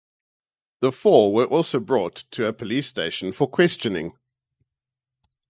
The four were also brought to a police station for questioning.